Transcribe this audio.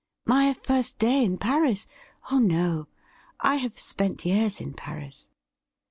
' My first day in Paris ? Oh no ! I have spent years in" Paris.'